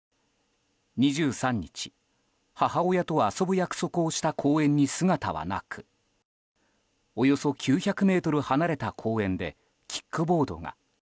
２３日、母親と遊ぶ約束をした公園に姿はなくおよそ９００ｍ離れた公園でキックボードが。